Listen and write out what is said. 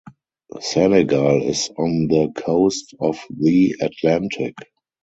Senegal is on the coast of the Atlantic.